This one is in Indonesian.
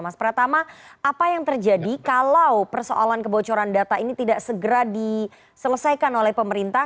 mas pratama apa yang terjadi kalau persoalan kebocoran data ini tidak segera diselesaikan oleh pemerintah